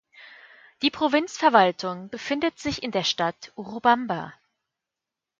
Die Provinzverwaltung befindet sich in der Stadt Urubamba.